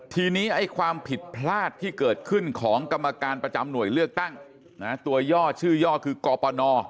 ทีนี้ไอ้ความผิดพลาดที่เกิดขึ้นของกรรมการประจำหน่วยเลือกตั้งตัวย่อชื่อย่อคือกปน